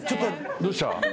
どうした？